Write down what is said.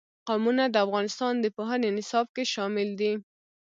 قومونه د افغانستان د پوهنې نصاب کې شامل دي.